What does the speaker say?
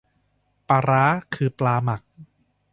ปลาร้า คือปลาหมัก